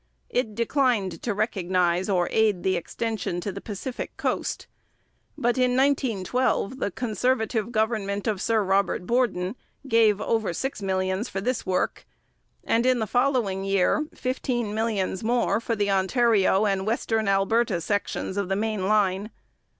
It declined to recognize or aid the extension to the Pacific coast; but in 1912 the Conservative government of Sir Robert Borden gave over six millions for this work, and in the following year fifteen millions more for the Ontario and western Alberta sections of the main line.